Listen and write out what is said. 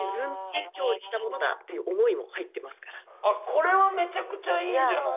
これはめちゃくちゃいいんじゃない？